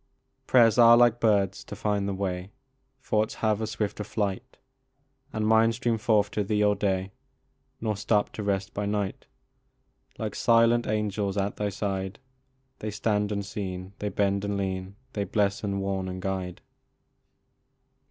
Prayers are like birds to find the way ; Thoughts have a swifter flight ; And mine stream forth to thee all day, Nor stop to rest by night. 14 TO ARCITE AT THE WARS. Like silent angels at thy side They stand unseen, they bend and lean, They bless and warn and guide.